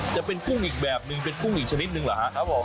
จะเป็นกุ้งอีกแบบหนึ่งเป็นกุ้งอีกชนิดหนึ่งเหรอฮะ